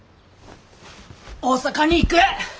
大阪に行く！